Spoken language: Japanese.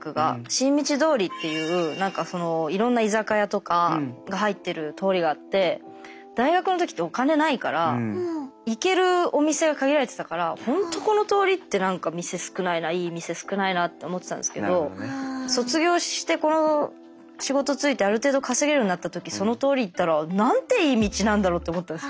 しんみち通りっていう何かそのいろんな居酒屋とかが入ってる通りがあって大学の時ってお金ないから行けるお店が限られてたからほんとこの通りって何か店少ないないい店少ないなって思ってたんですけど卒業してこの仕事就いてある程度稼げるようになった時その通り行ったらなんていい道なんだろうって思ったんです。